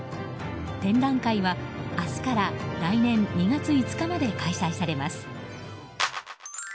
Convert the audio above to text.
展覧会は明日から来年２月５日まで開催されます。